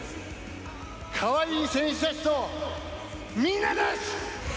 かわいい選手たちとみんなです。